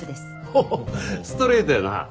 おおストレートやなぁ。